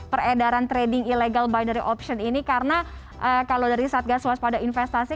peredaran trading illegal binary option ini karena kalau dari satgas waspada investasi